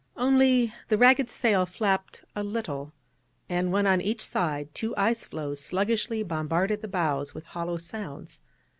Only, the ragged sail flapped a little, and one on each side two ice floes sluggishly bombarded the bows, with hollow sounds.